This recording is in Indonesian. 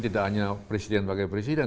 tidak hanya presiden bagai presiden